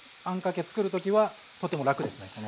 あんかけつくる時はとても楽ですね